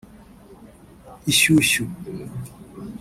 ishyushyu